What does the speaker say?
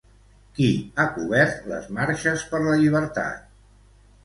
Qui ha cobert les Marxes per la Llibertat?